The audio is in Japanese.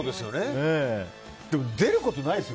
でも出ることないですよ